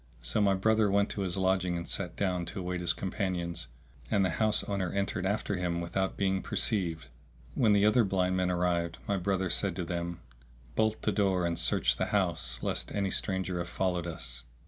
So my brother went to his lodging and sat down to await his companions, and the house owner entered after him without being perceived. When the other blind men arrived, my brother said to them, "Bolt the door and search the house lest any stranger have followed us."